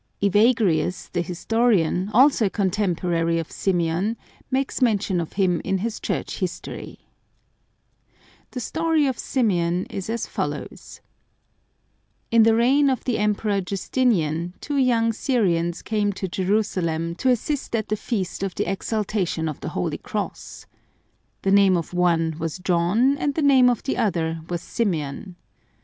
Evagrius, the historian, also a contemporary of Symeon, makes mention of him in his Church History (lib. iv. c. 34). The story of Symeon is as follows :— In the reign of the Emperor Justinian, two young Syrians came to Jerusalem to assist at the Feast of the Exaltation of the Holy Cross. The name of one was John, and the name of the other was Symeon.